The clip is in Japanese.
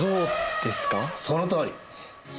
そのとおり。